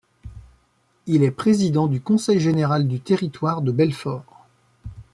Il est président du conseil général du Territoire de Belfort.